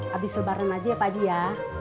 habis lebaran aja ya pak ji ya